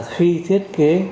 khi thiết kế